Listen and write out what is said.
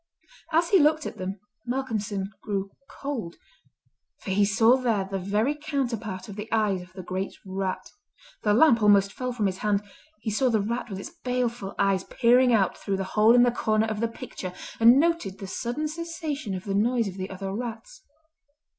As he looked at them, Malcolmson grew cold, for he saw there the very counterpart of the eyes of the great rat. The lamp almost fell from his hand, he saw the rat with its baleful eyes peering out through the hole in the corner of the picture, and noted the sudden cessation of the noise of the other rats.